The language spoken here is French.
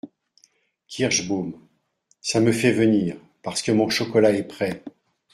Kirschbaum. — Ca me fait venir, parce que mon chocolat est prêt.